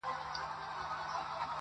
هغه جنتي حوره ته انسانه دا توپیر دی